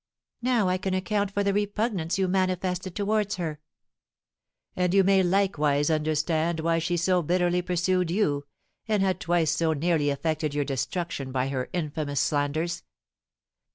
"Now I can account for the repugnance you manifested towards her." "And you may likewise understand why she so bitterly pursued you, and had twice so nearly effected your destruction by her infamous slanders.